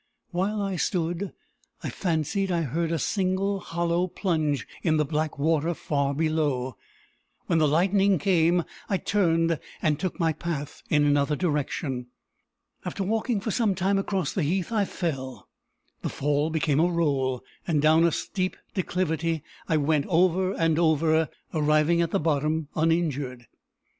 While I stood, I fancied I heard a single hollow plunge in the black water far below. When the lightning came, I turned, and took my path in another direction. After walking for some time across the heath, I fell. The fall became a roll, and down a steep declivity I went, over and over, arriving at the bottom uninjured.